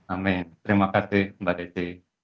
amin terima kasih mbak desi